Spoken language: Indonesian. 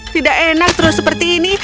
tidak enak terus seperti ini